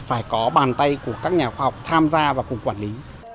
phải có bàn tay của các nhà khoa học tham gia và cùng quản lý